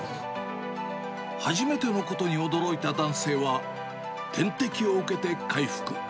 初めてのことに驚いた男性は、点滴を受けて回復。